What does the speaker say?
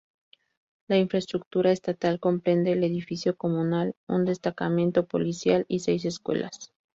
La infraestructura estatal comprende el edificio comunal, un destacamento policial y seis escuelas.